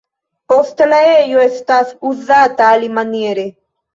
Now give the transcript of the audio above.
Poste la ejo estas uzata alimaniere.